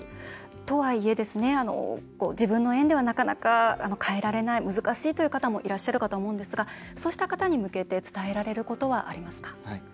とはいえ、自分の園ではなかなか変えられない難しいという方もいらっしゃるかと思うんですがそうした方に向けて伝えられることはありますか？